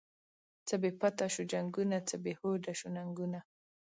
څه بی پته شوو جنگونه، څه بی هوډه شوو ننگونه